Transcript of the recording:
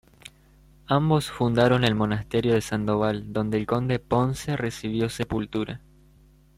Ambos fundaron el Monasterio de Sandoval donde el conde Ponce recibió sepultura.